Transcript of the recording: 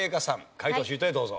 解答シートへどうぞ。